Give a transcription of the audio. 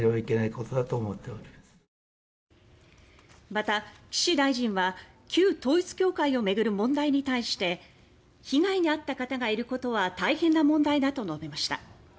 また、岸大臣は旧統一教会を巡る問題に対して「被害にあった方がいることは大変な問題だ」と述べました。